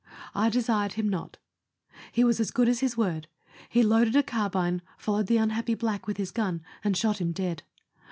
I desired him not. He was as good as his word. He loaded a carbine, followed the unhappy black with his gun, and shot him dead.